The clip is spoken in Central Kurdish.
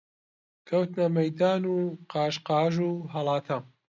کەوتنە مەیدان و قاش قاش و هەڵاتە